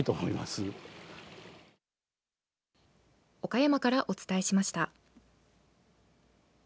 岡山からお伝えしました。